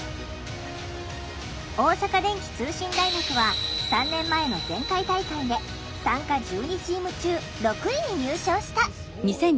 大阪電気通信大学は３年前の前回大会で参加１２チーム中６位に入賞した。